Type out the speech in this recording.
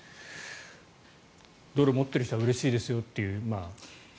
ドルを持っている人はうれしいですよっていう。